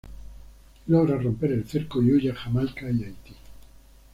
Logra romper el cerco y huye a Jamaica y Haití.